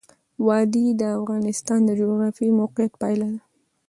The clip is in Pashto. وادي د افغانستان د جغرافیایي موقیعت پایله ده.